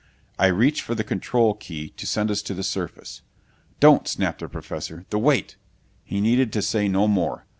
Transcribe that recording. I reached for the control key to send us to the surface. "Don't!" snapped the Professor. "The weight " He needed to say no more.